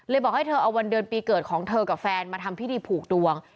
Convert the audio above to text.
บอกให้เธอเอาวันเดือนปีเกิดของเธอกับแฟนมาทำพิธีผูกดวง